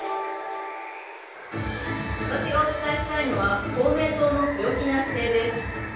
私がお伝えしたいのは公明党の強気な姿勢です。